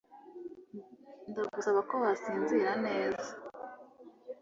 Ndagusaba ko wasinzira neza.